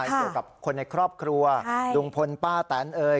เกี่ยวกับคนในครอบครัวลุงพลป้าแตนเอ่ย